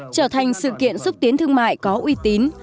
trở thành sự kiện xúc tiến thương mại có uy tín